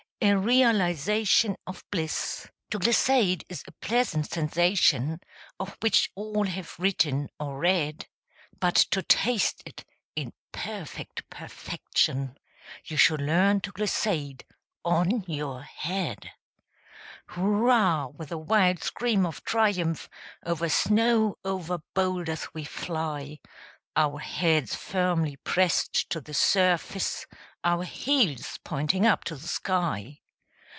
A realization of bliss! To glissade is a pleasant sensation, Of which all have written, or read; But to taste it, in perfect perfection, You should learn to glissade on your head. Hurrah! with a wild scream of triumph, Over snow, over boulders we fly, Our heads firmly pressed to the surface, Our heels pointing up to the sky!